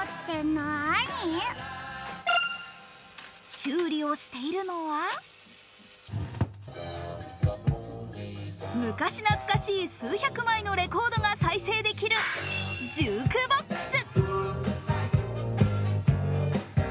修理をしているのは昔懐かしい数百枚のレコードが再生できるジュークボックス。